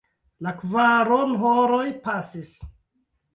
La kvaronhoroj pasis.